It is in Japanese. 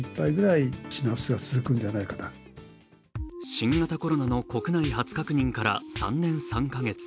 新型コロナの国内初確認から３年３か月。